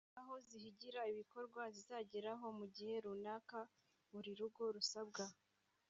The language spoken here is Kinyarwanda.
aho zihigira ibikorwa zizageraho mu gihe runaka. Buri rugo rusabwa